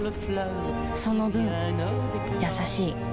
その分優しい